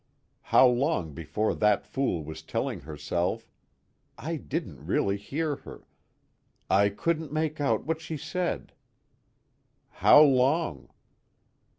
How long before that fool was telling herself: I didn't really hear her, I couldn't make out what she said how long?